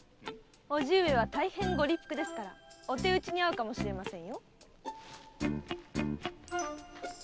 叔父上は大変ご立腹ですからお手討ちに遭うかもしれませんよ。